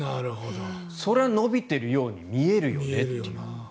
そりゃ伸びてるように見えるよねという。